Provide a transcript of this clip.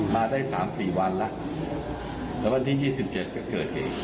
มาได้๓๔วันแล้วแล้ววันที่๒๗ก็เกิดเหตุ